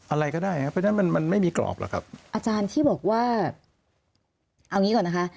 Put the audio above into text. อะไรก็ได้ครับเพราะฉะนั้นมันมันไม่มีกรอบหรอกครับอาจารย์ที่บอกว่าเอางี้ก่อนนะคะ